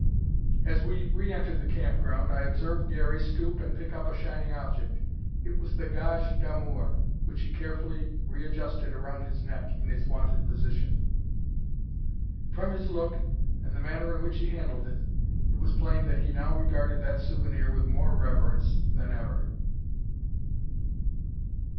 As we re entered the camp ground I observed Garey stoop and pick up a shining object. It was the gage d'amour, which he carefully readjusted around his neck in its wonted position. From his look and the manner in which he handled it, it was plain that he now regarded that souvenir with more reverence than ever.